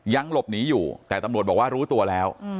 ยังหลบหนีอยู่แต่ตำรวจบอกว่ารู้ตัวแล้ว